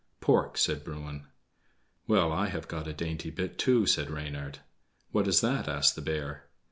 "Pork," said Bruin. "Well, I have got a dainty bit too," said Reynard. "What is that?" asked the bear.